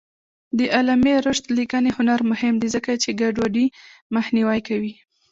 د علامه رشاد لیکنی هنر مهم دی ځکه چې ګډوډي مخنیوی کوي.